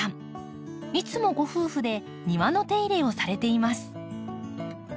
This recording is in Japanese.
いつもご夫婦で庭の手入れをされています。